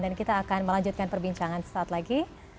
dan kita akan melanjutkan perbincangan sesaat lagi